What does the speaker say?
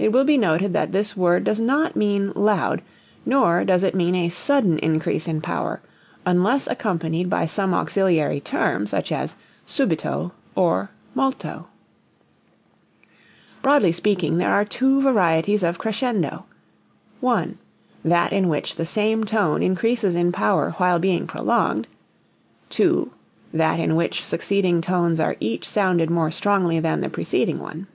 It will be noted that this word does not mean loud, nor does it mean a sudden increase in power unless accompanied by some auxiliary term such as subito, or molto. Broadly speaking there are two varieties of crescendo: (1) that in which the same tone increases in power while being prolonged; (2) that in which succeeding tones are each sounded more strongly than the preceding one.